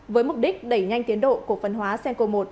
với mục đích đẩy nhanh tiến độ cổ phân hóa senco một